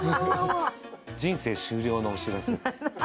人生終了のお知らせ。